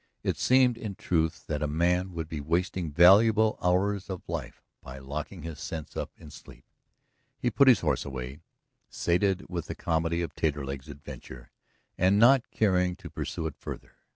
It seemed, in truth, that a man would be wasting valuable hours of life by locking his senses up in sleep. He put his horse away, sated with the comedy of Taterleg's adventure, and not caring to pursue it further.